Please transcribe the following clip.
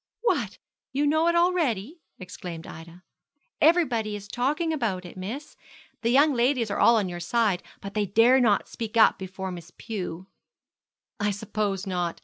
'What! you all know it already?' exclaimed Ida. 'Everybody is talking about it, miss. The young ladies are all on your side; but they dare not speak up before Miss Pew.' 'I suppose not.